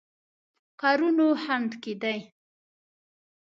کارونو خنډ کېدی.